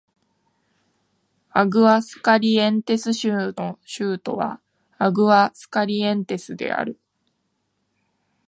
アグアスカリエンテス州の州都はアグアスカリエンテスである